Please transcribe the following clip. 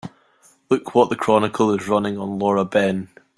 Look what the Chronicle is running on Laura Ben.